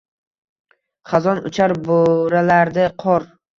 Xazon uchar, boʻralardi qor.